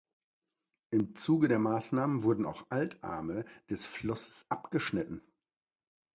Im Zuge der Maßnahmen wurden auch Altarme des Flusses abgeschnitten.